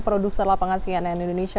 produser lapangan singa nenek